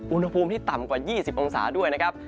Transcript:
อุณหภูมิที่ต่ำกว่า๒๐องศาด้วยนะครับ